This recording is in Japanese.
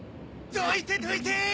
どいてどいてー！